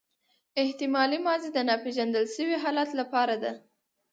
احتمالي ماضي د ناپیژندل سوي حالت له پاره ده.